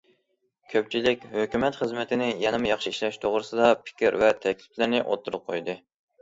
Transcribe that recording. كۆپچىلىك ھۆكۈمەت خىزمىتىنى يەنىمۇ ياخشى ئىشلەش توغرىسىدا پىكىر ۋە تەكلىپلەرنى ئوتتۇرىغا قويدى.